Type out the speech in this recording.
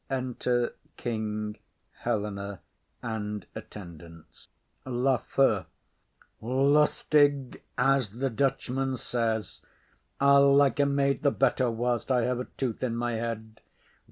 Enter King, Helena and Attendants. LAFEW. Lustique, as the Dutchman says. I'll like a maid the better, whilst I have a tooth in my head.